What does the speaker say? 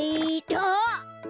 あっ！